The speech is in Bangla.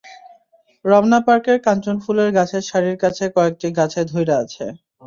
রমনা পার্কের কাঞ্চন ফুলের গাছের সারির কাছে কয়েকটি গাছে ধাইরা আছে।